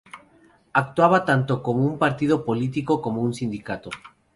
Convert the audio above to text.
Actuaba tanto como un partido político como un sindicato.